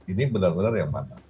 ini benar benar yang mana